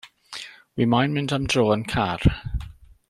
Wi moyn mynd am dro yn car.